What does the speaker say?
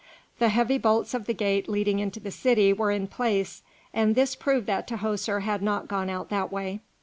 The heavy bolts of the gate leading into the city were in place, and this proved that Tahoser had not gone out that way.